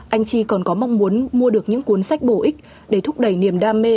anh chi còn có mong muốn mua được những cuốn sách bổ ích để thúc đẩy niềm đam mê